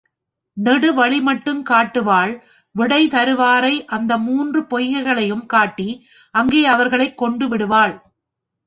நெடு வழிமட்டும் காட்டுவாள் விடை தருவாரை அந்த மூன்று பொய்கைகளையும் காட்டி அங்கே அவர்களைக் கொண்டு விடுவாள்.